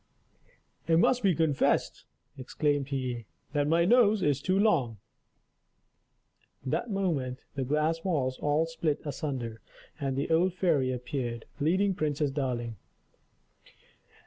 "It must be confessed," exclaimed he, "that my nose is too long." That moment the glass walls all split asunder, and the old fairy appeared, leading Princess Darling.